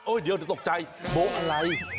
เดี๋ยวตกใจโบ๊ะอะไร